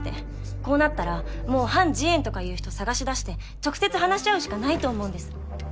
こうなったらもうハン・ジエンとかいう人捜し出して直接話し合うしかないと思うんです。